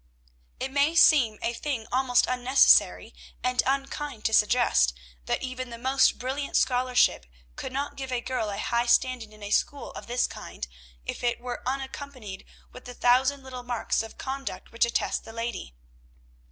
It may seem a thing almost unnecessary and unkind to suggest, that even the most brilliant scholarship could not give a girl a high standing in a school of this kind, if it were unaccompanied with the thousand little marks of conduct which attest the lady.